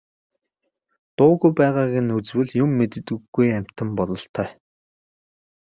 Дуугүй байгааг нь үзвэл юм мэддэггүй амьтан бололтой.